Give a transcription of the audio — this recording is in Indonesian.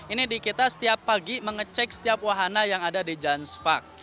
ini di kita setiap pagi mengecek setiap wahana yang ada di jans park